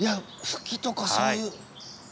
ふきとかそういう。